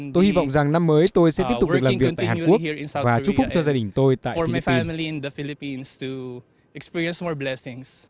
tôi hy vọng rằng năm mới tôi sẽ tiếp tục được làm việc tại hàn quốc và chúc phúc cho gia đình tôi tại fmed